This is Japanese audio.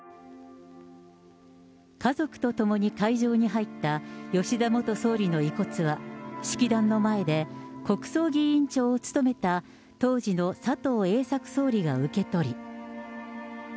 家族と共に会場に入った吉田元総理の遺骨は、式壇の前で、国葬儀委員長を務めた当時の佐藤栄作総理が受け取り。